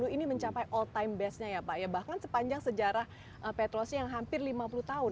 ini mencapai all time base nya ya pak ya bahkan sepanjang sejarah petrosi yang hampir lima puluh tahun